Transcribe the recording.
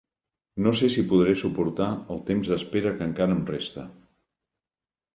No sé si podré suportar el temps d'espera que encara em resta.